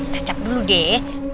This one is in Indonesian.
tancap dulu deh